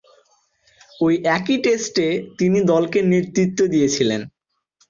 ঐ একই টেস্টে তিনি দলকে নেতৃত্ব দিয়েছিলেন।